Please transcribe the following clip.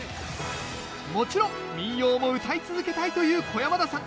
もちろん民謡もうたい続けたいという小山田さん。